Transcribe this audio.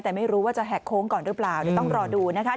แต่ไม่รู้ว่าจะแหกโค้งก่อนหรือเปล่าเดี๋ยวต้องรอดูนะคะ